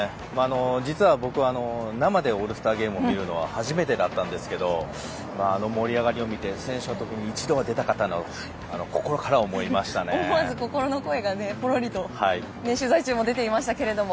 実は、生でオールスターゲームを見るのは初めてだったんですけど盛り上がりを見て選手の時に一度は出たかったと思わず心の声がぽろりと取材中も出ていましたけども。